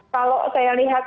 kalau saya lihat